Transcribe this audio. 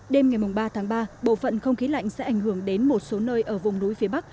đêm ngày ba tháng ba bộ phận không khí lạnh sẽ ảnh hưởng đến một số nơi ở vùng núi phía bắc